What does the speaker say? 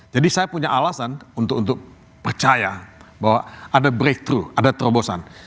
jadi saya punya alasan untuk percaya bahwa ada breakthrough ada terobosan